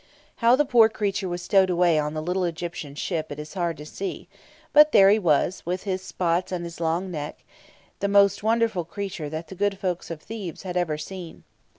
How the poor creature was stowed away on the little Egyptian ship it is hard to see; but there he was, with his spots and his long neck, the most wonderful creature that the good folks of Thebes had ever seen.